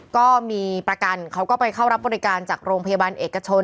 ก็มีประกันเขาก็ไปเข้ารับบริการจากโรงพยาบาลเอกชน